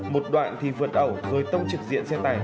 một đoạn thì vượt ẩu rồi tông trực diện xe này